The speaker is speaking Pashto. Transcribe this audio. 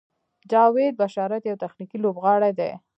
جاوید بشارت یو تخنیکي لوبغاړی دی.